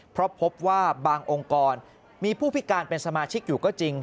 เพราะพบว่าบางองค์กรมีผู้พิการเป็นสมาชิกอยู่ก็จริง